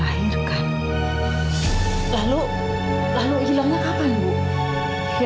maret danulis saya diculik ketika masih berumur tujuh hari